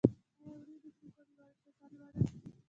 ایا وریجې شکر لوړوي؟